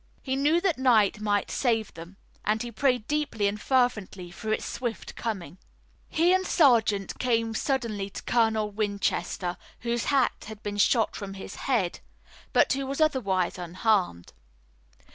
He knew that night might save them, and he prayed deeply and fervently for its swift coming. He and the sergeant came suddenly to Colonel Winchester, whose hat had been shot from his head, but who was otherwise unharmed.